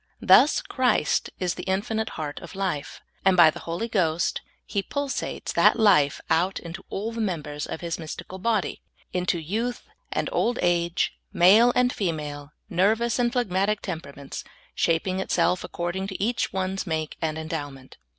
Thus Christ is the infinite heart of life, and by the Holy Ghost He pulsates that life out into all the members of His mystical bodj^ — into youth and old age, male and female, nervous and phlegmatic temperaments — shaping itself according to each one's make and endowment.